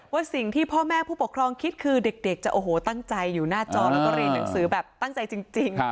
สิ่งที่พ่อแม่ผู้ปกครองคิดคือเด็กจะโอ้โหตั้งใจอยู่หน้าจอแล้วก็เรียนหนังสือแบบตั้งใจจริง